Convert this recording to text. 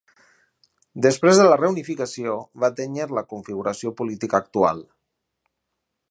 Després de la reunificació va atènyer la configuració política actual.